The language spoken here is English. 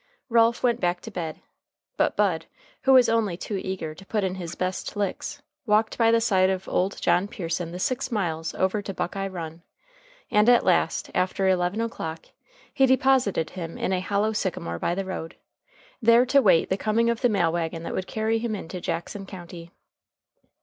Ralph went back to bed, but Bud, who was only too eager to put in his best licks, walked by the side of old John Pearson the six miles over to Buckeye Run, and at last, after eleven o'clock, he deposited him in a hollow sycamore by the road, there to wait the coming of the mail wagon that would carry him into Jackson County.